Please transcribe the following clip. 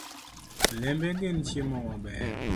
Olembe gin chiemo mabeyo .